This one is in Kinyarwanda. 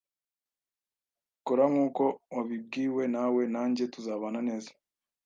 Kora nkuko wabibwiwe nawe nanjye tuzabana neza.